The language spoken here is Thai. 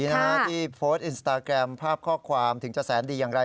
ที่โพสต์อินสตาแกรมภาพข้อความถึงจะแสนดีอย่างไร